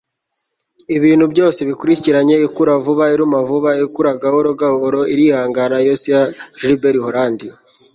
ibintu byose bikurikiranye. ikura vuba, iruma vuba. ikura gahoro gahoro, irihangana. - yosiya gilbert holland